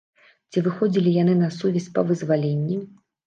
Ці выходзілі яны на сувязь па вызваленні?